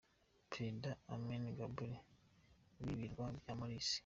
Perezida Ameenah Gurib w’Ibirwa bya Maurice.